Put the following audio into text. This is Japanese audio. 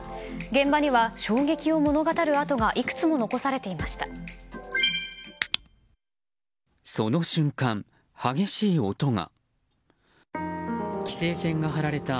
現場には衝撃を物語る跡がいくつも残されていました。